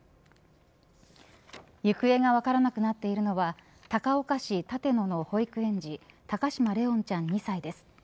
行方が分からなくなっているのは高岡市立野の保育園児高嶋怜音ちゃん、２歳です。